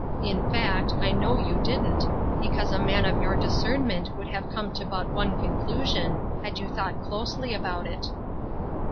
In fact, I know you didn't, because a man of your discernment could have come to but one conclusion, had you thought closely about it."